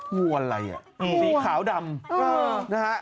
งูอะไรอ่ะงูสีขาวดำเออนะฮะ